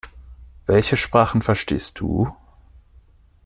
Welche Sprachen verstehst du?